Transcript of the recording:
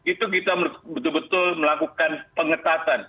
itu kita betul betul melakukan pengetatan